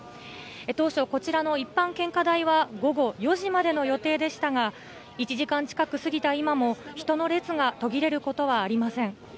当初、こちらの一般献花台は午後４時までの予定でしたが、１時間近く過ぎた今も、人の列が途切れることはありません。